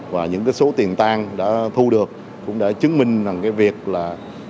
và những cái số tiền tan đã thu được cũng đã chứng minh rằng cái việc là